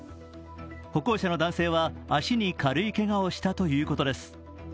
歩行者の男性は足に軽いけがをしたということです。